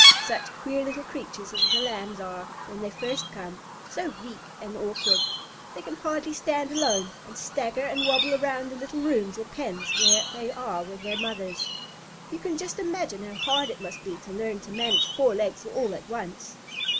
Such queer little creatures as the Lambs are when they first come so weak and awkward! They can hardly stand alone, and stagger and wobble around the little rooms or pens where they are with their mothers. You can just imagine how hard it must be to learn to manage four legs all at once!